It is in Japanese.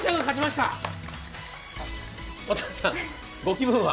音羽さん、ご気分は？